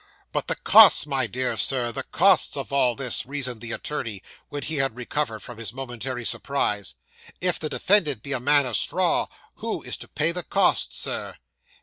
'"But the costs, my dear Sir, the costs of all this," reasoned the attorney, when he had recovered from his momentary surprise. "If the defendant be a man of straw, who is to pay the costs, Sir?"